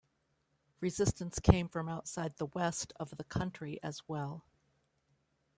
Resistance came from outside the West of the country as well.